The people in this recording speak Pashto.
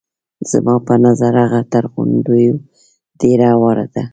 زما په نظر هغه تر غونډیو ډېره هواره ده.